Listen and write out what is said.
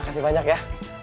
kasih banyak ya